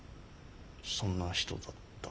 そんな人だった。